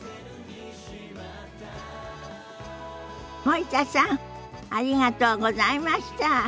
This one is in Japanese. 森田さんありがとうございました。